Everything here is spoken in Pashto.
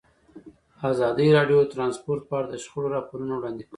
ازادي راډیو د ترانسپورټ په اړه د شخړو راپورونه وړاندې کړي.